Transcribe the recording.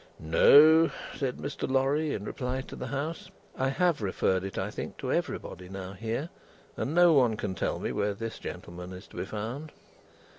"No," said Mr. Lorry, in reply to the House; "I have referred it, I think, to everybody now here, and no one can tell me where this gentleman is to be found."